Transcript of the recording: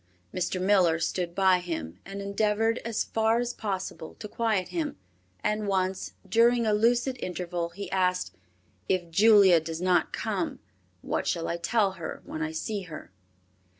Mr. Miller stood by him and endeavored as far as possible to quiet him, and once, during a lucid interval, he asked, "If Julia does not come, what shall I tell her when I see her?"